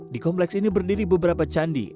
di kompleks ini berdiri beberapa candi